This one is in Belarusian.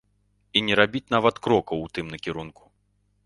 І не рабіць нават крокаў у тым кірунку.